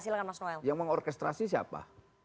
silahkan mas noel yang mengorkestrasi siapa